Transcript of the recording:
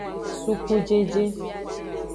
Sukujeje.